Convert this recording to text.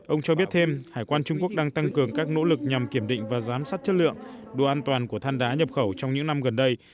ông cho biết thêm hải quan trung quốc đang tăng cường các nỗ lực nhằm kiểm định và giám sát chất lượng độ an toàn của than đá nhập khẩu trong những năm gần đây